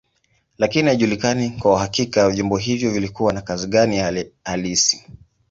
Lakini haijulikani kwa uhakika vyombo hivyo vilikuwa na kazi gani hali halisi.